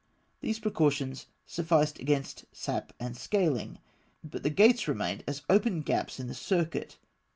These precautions sufficed against sap and scaling; but the gates remained as open gaps in the circuit.